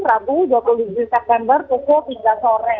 rabu dua puluh tujuh september pukul tiga sore